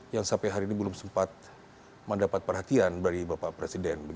yang sampai hari ini belum sempat mendapat perhatian dari bapak presiden